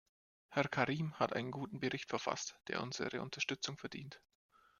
Herr Karim hat einen guten Bericht verfasst, der unsere Unterstützung verdient.